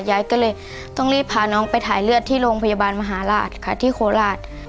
ยายก็เลยต้องรีบพาน้องไปถ่ายเลือดที่โรงพยาบาลมหาราชค่ะที่โคราช